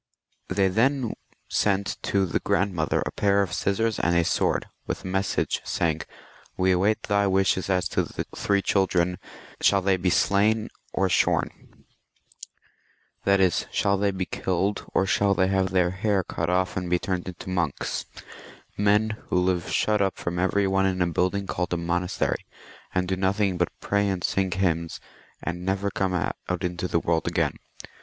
They then sent to the grandmother a pair of scissors and a sword, with a message, saying, " "We await thy wishes as to the three children ; shall they be slain or shorn ?" that is, shall they be kiUed, or shall they have their hair cut off, and be turned into monks — men who live shut up from every one in a building called a monastery, and do nothing but pray and sing hymns, and never come out into the world again.